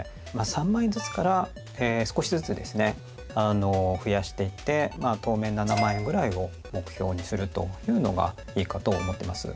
３万円ずつから少しずつですね増やしていって当面７万円ぐらいを目標にするというのがいいかと思ってます。